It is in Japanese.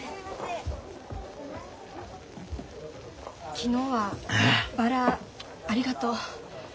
昨日はバラありがとう。